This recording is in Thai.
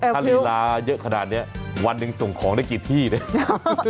ถ้าลีลาเยอะขนาดนี้วันหนึ่งส่งของได้กี่ที่เนี่ย